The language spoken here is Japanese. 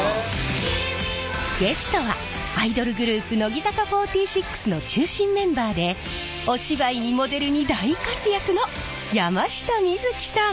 ゲストはアイドルグループ乃木坂４６の中心メンバーでお芝居にモデルに大活躍の山下美月さん！